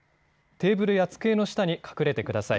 テーブルや机の下に隠れてください。